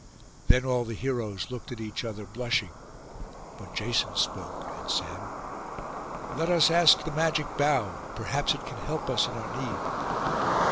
Then all the heroes looked at each other blushing; but Jason spoke, and said, 'Let us ask the magic bough; perhaps it can help us in our need.